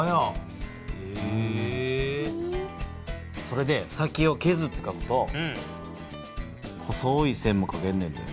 それで先をけずってかくと細い線もかけんねんで。